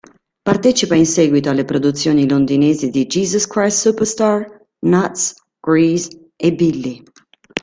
Partecipa in seguito alle produzioni londinesi di "Jesus Christ Superstar", "Nuts", "Grease" e "Billy".